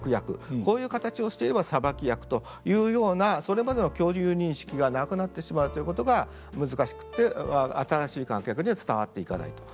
こういう形をしていれば裁き役というようなそれまでの共有認識がなくなってしまうということが難しくって新しい観客に伝わっていかないということだったと思います。